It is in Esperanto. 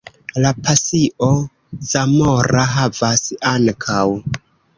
La Pasio zamora havas, ankaŭ.